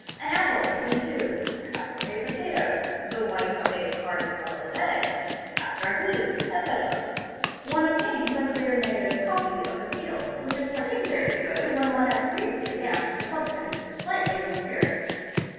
an apple cut in two, half of a potato, the white of a hard boiled egg, half dry glue, etc; one obtains a clear negative copy of the seal, which is particularly good when one has previously damped the substance slightly with spirit.